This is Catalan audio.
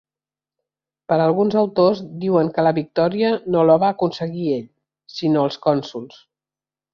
Però alguns autors diuen que la victòria no la va aconseguir ell, sinó els cònsols.